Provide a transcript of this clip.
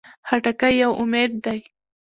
خټکی یو امید دی.